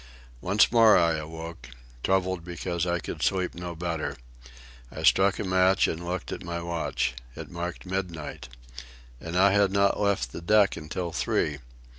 Once more I woke, troubled because I could sleep no better. I struck a match and looked at my watch. It marked midnight. And I had not left the deck until three!